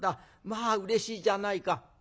まあうれしいじゃないか。